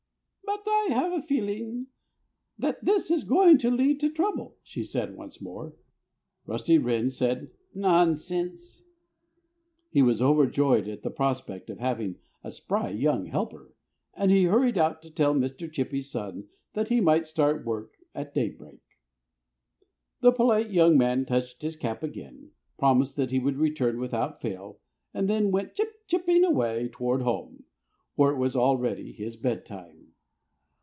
"But I have a feeling that this is going to lead to trouble," she said once more. Rusty Wren said, "Nonsense!" He was overjoyed at the prospect of having a spry young helper. And he hurried out to tell Mr. Chippy's son that he might start to work at daybreak. That polite young man touched his cap again, promised that he would return without fail, and then went chip chipping away toward home, for it was already his bedtime.